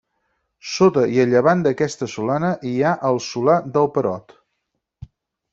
Sota i a llevant d'aquesta solana hi ha el Solà del Perot.